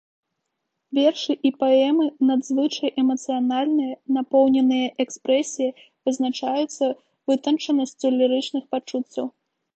Вершы і паэмы надзвычай эмацыянальныя, напоўненыя экспрэсіяй, вызначаюцца вытанчанасцю лірычных пачуццяў.